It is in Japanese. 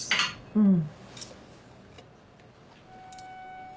うん。